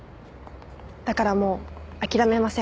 だからもう諦めません。